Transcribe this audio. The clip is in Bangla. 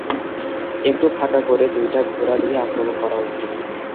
একটু ফাঁকা করে দুইটা ঘোড়া দিয়ে আক্রমণ করা উচিত।